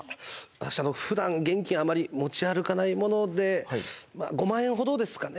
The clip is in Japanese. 私ふだん現金あまり持ち歩かないもので５万円ほどですかね